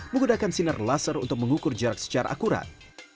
menggunakan sinar laser untuk mengukur jarak secara akurat